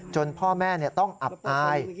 พ่อแม่ต้องอับอาย